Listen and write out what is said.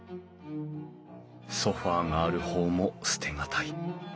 ソファーがある方も捨て難い。